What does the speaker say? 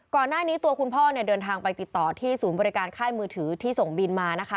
ก่อนหน้านี้ตัวคุณพ่อเนี่ยเดินทางไปติดต่อที่ศูนย์บริการค่ายมือถือที่ส่งบินมานะคะ